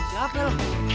siap nih lu